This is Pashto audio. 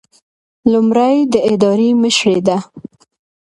لومړی د ادارې مشري ده.